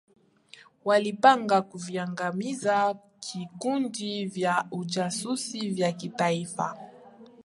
walipanga kuviaangamiza vikundi vya ujasusi vya kitaifa